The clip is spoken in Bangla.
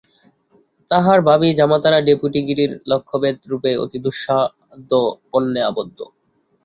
তাঁহার ভাবী জামাতারা ডেপুটিগিরির লক্ষ্যবেধরূপে অতি দুঃসাধ্য পণে আবদ্ধ।